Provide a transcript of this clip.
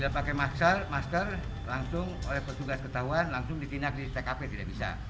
pakai masker langsung oleh petugas ketahuan langsung ditindak di tkp tidak bisa